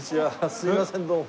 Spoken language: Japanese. すみませんどうも。